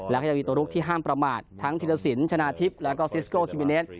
แล้วก็ยังมีตัวลุกที่ห้ามประมาททั้งธิรสินชนะทิพย์แล้วก็ซิสโกธิมิเนส